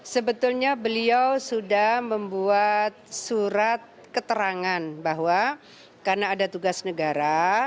sebetulnya beliau sudah membuat surat keterangan bahwa karena ada tugas negara